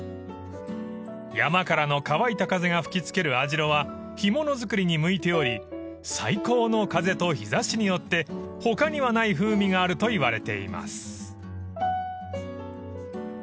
［山からの乾いた風が吹き付ける網代は干物作りに向いており最高の風と日差しによって他にはない風味があるといわれています］